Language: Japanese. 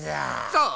そう？